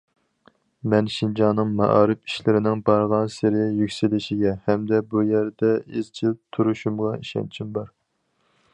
مەن شىنجاڭنىڭ مائارىپ ئىشلىرىنىڭ بارغانسېرى يۈكسىلىشىگە ھەمدە بۇ يەردە ئىزچىل تۇرۇشۇمغا ئىشەنچىم بار.